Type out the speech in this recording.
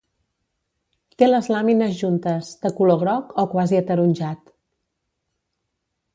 Té les làmines juntes, de color groc o quasi ataronjat.